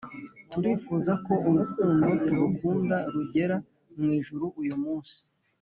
turifuza ko urukundo tugukunda rugera mwijuru uyu munsi